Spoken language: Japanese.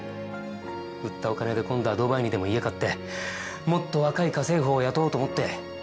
売ったお金で今度はドバイにでも家買ってもっと若い家政婦を雇おうと思って。